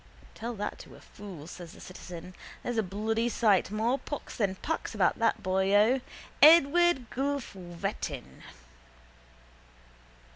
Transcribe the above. —Tell that to a fool, says the citizen. There's a bloody sight more pox than pax about that boyo. Edward Guelph Wettin!